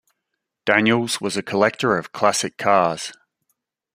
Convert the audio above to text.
Daniels was a collector of classic cars.